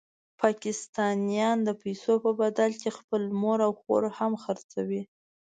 پاکستانیان د پیسو په بدل کې خپله مور او خور هم خرڅوي.